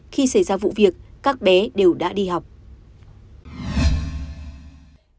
khi xảy ra vụ việc các bé đều đã đi học